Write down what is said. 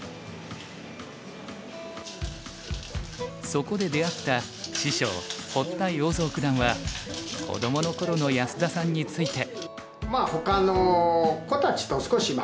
そこで出会った師匠堀田陽三九段は子どもの頃の安田さんについて。